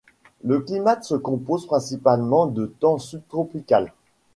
Le climate se compose principalement de temps subtropical.